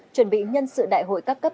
chuẩn bị nhân sự đại hội cấp cấp